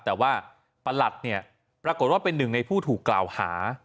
แต่ว่าประหลัดเนี่ยปรากฏว่าเป็นหนึ่งในผู้ถูกกล่าวหา